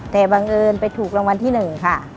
แต่บังเอิญไปถูกรางวัลที่๑ค่ะ